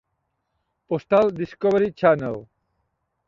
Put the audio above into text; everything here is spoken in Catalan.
Postal Discovery Channel.